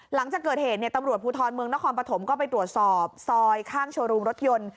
หลังจากเกิดเหตุตำรวจภูทรเมืองนครปฐมก็ไปตรวจสอบซอยข้างโชว์รูมรถยนต์